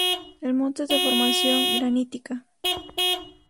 El monte es de formación granítica.